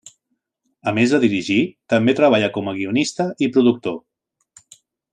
A més de dirigir, també treballa com a guionista i productor.